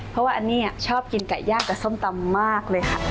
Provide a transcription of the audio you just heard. เพราะว่าอันนี้ชอบกินไก่ย่างกับส้มตำมากเลยค่ะ